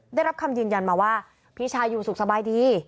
ได้รับคำยืนยันมาว่าพี่ชายอยู่สุขสบายดี